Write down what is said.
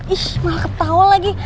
ih malah ketawa lagi